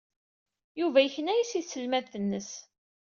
Yuba yekna-as i tselmadt-nnes.